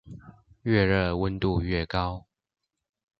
愈熱溫度愈高